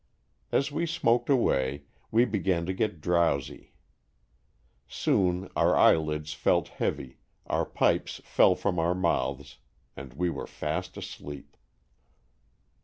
As we smoked away, we began to get drowsy. Soon our eyelids felt heavy, our pipes fell from our mouths, and we were fast asleep.